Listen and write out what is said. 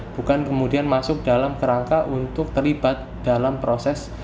bukan kemudian masuk dalam kerangka untuk terlibat dalam proses